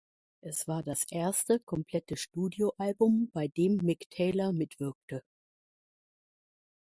Es war das erste komplette Studioalbum, bei dem Mick Taylor mitwirkte.